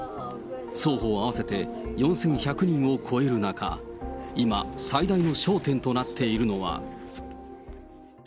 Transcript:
双方合わせて４１００人を超える中、今、最大の焦点となっているのは。